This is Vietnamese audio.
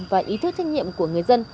và ý thức trách nhiệm của người dân